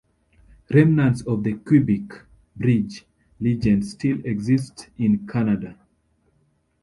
Remnants of the Quebec Bridge legend still exist in Canada.